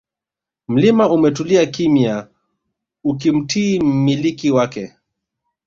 Mlima umetulia kimya ukimtii mmiliki wake